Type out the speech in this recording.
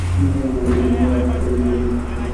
মাত্র সতের বৎসর বয়সে তিনি সার্কাস দলে যোগ দেন।